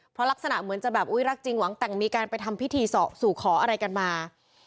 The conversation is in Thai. เพราะลักษณะเหมือนจะแบบอุ๊ยรักจริงหวังแต่งมีการไปทำพิธีสู่ขออะไรกันมา